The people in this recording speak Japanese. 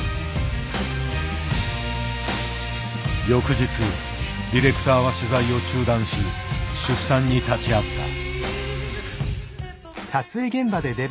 翌日ディレクターは取材を中断し出産に立ち会った。